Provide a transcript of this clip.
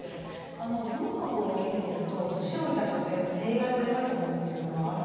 あの文学を見てみると年老いた女性の性愛を描いたものというのはあるんですか？